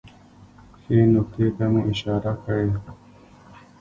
ښې نکتې ته مو اشاره کړې